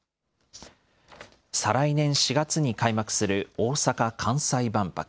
再来年４月に開幕する大阪・関西万博。